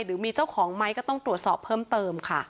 หรือมีเจ้าของไหมก็ต้องตรวจสอบเพิ่มเติมค่ะ